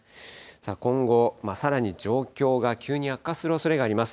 さあ、今後、さらに状況が急に悪化するおそれがあります。